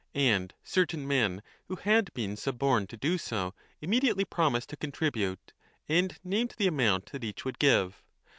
And certain men, who had been suborned to do so, immediately promised to contribute and named the amount that each would give.